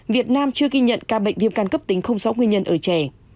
việt nam chưa ghi nhận ca bệnh viêm căn cấp tính không rõ nguyên nhân ở trẻ